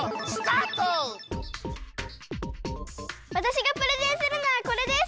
わたしがプレゼンするのはこれです！